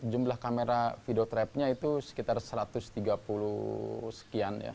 jumlah kamera video trapnya itu sekitar seratus juta